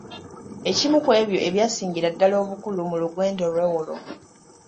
Ekimu ku ebyo ebyasingira ddala obukulu mu lugendo lwe olwo.